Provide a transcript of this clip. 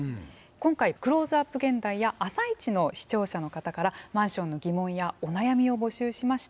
今回「クローズアップ現代」や「あさイチ」の視聴者の方からマンションの疑問やお悩みを募集しました。